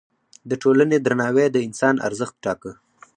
د ټولنې درناوی د انسان ارزښت ټاکه.